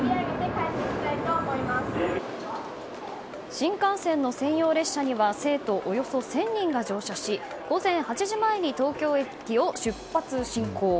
新幹線の専用列車には生徒およそ１０００人が乗車し午前８時前に東京駅を出発進行！